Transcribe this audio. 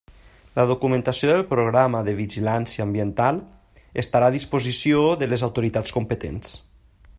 La documentació del programa de vigilància ambiental estarà a disposició de les autoritats competents.